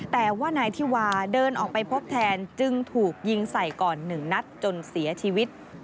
แต่ว่านายธิวาเดินออกไปพบแทนจึงถูกยิงใส่ก่อน๑นัดจนเสียชีวิต